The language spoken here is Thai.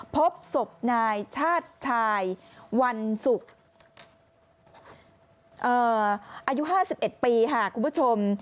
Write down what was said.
พบศพนายชาติชายวันศุกร์อายุ๕๑ปีค่ะคุณผู้ชม